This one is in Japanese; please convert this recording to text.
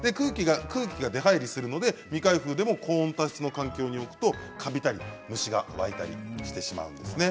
空気が出はいりするので未開封でも高温多湿の環境に置くとカビたり虫が湧いたりしてしまうんですね。